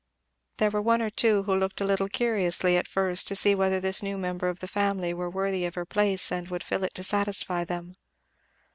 There were one or two who looked a little curiously at first to see whether this new member of the family were worthy of her place and would fill it to satisfy them.